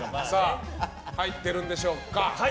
入ってるんでしょうか。